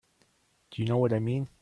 Do you know what I mean?